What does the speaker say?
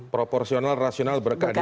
proporsional rasional berkeadilan